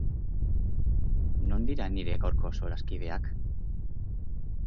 Non dira nire gaurko solaskideak?